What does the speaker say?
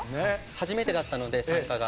初めてだったので参加が。